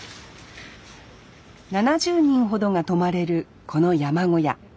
７０人ほどが泊まれるこの山小屋。